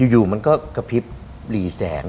อยู่มันก็กระพริบหลีแสง